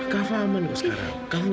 kava aman kok sekarang